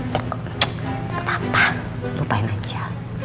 kok engga apa apa lupain aja